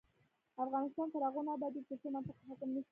افغانستان تر هغو نه ابادیږي، ترڅو منطق حاکم نشي.